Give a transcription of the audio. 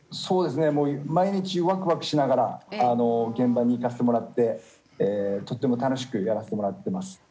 そうですね毎日ワクワクしながら現場に行かせてもらってとっても楽しくやらせてもらってます。